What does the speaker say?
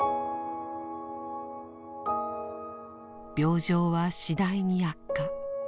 病状は次第に悪化。